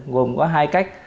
gồm có hai cách